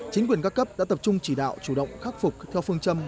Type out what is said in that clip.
chính quyền ca cấp đã tập trung chỉ đạo chủ động khắc phục theo phương châm bốn tại chỗ